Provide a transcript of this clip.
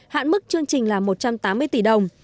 hạn mức chương trình là một trăm tám mươi tỷ đồng